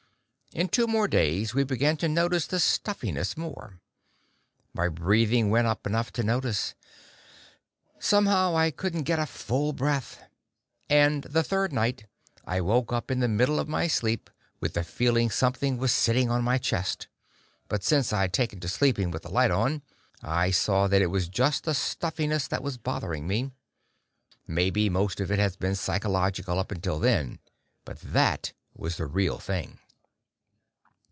In two more days, we began to notice the stuffiness more. My breathing went up enough to notice. Somehow, I couldn't get a full breath. And the third night, I woke up in the middle of my sleep with the feeling something was sitting on my chest; but since I'd taken to sleeping with the light on, I saw that it was just the stuffiness that was bothering me. Maybe most of it had been psychological up until then. But that was the real thing.